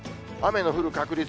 雨の降る確率。